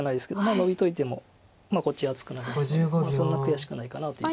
ノビといてもこっち厚くなりますのでそんな悔しくないかなという。